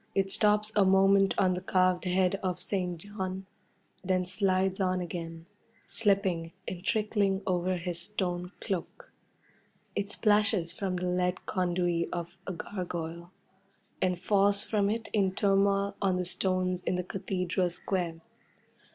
It stops a moment on the carved head of Saint John, then slides on again, slipping and trickling over his stone cloak. It splashes from the lead conduit of a gargoyle, and falls from it in turmoil on the stones in the Cathedral square.